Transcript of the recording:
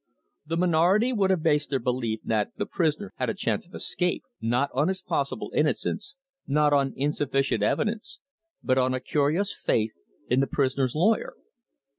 The minority would have based their belief that the prisoner had a chance of escape, not on his possible innocence, not on insufficient evidence, but on a curious faith in the prisoner's lawyer.